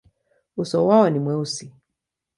Uso wao ni mweusi.